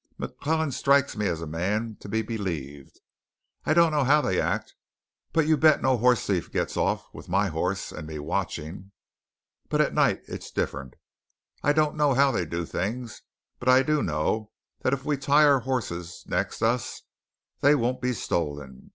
McClellan strikes me as a man to be believed. I don't know how they act; but you bet no hoss thief gets off with my hoss and me watchin'. But at night it's different, I don't know how they do things. But I do know that if we tie our hosses next us, they won't be stolen.